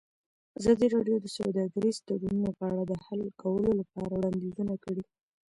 ازادي راډیو د سوداګریز تړونونه په اړه د حل کولو لپاره وړاندیزونه کړي.